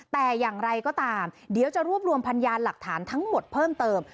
แต่อย่างไรก็ตามเดี๋ยวจะรวบรวมพยานหลักฐานทั้งหมดเพิ่มเติม